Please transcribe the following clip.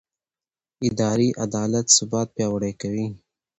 اداري عدالت ثبات پیاوړی کوي